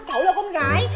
cháu là con gái